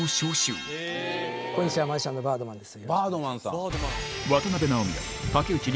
マジシャンのバードマンです。